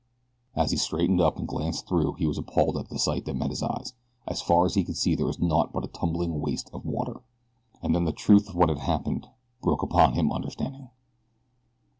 As he straightened up and glanced through he was appalled at the sight that met his eyes. As far as he could see there was naught but a tumbling waste of water. And then the truth of what had happened to him broke upon his understanding.